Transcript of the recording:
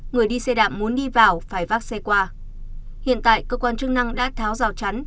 người đi xe đạp muốn đi vào phải vác xe qua hiện tại cơ quan chức năng đã tháo rào chắn